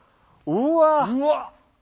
うわ！